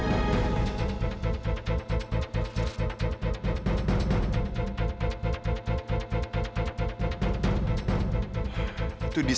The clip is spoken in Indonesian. ada mbak alia